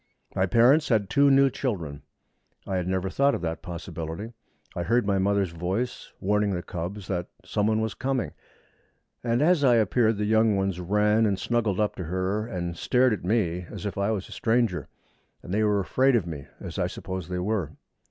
My parents had two new children. I had never thought of that possibility. I heard my mother's voice warning the cubs that someone was coming, and as I appeared the young ones ran and snuggled up to her, and stared at me as if I was a stranger and they were afraid of me, as I suppose they were.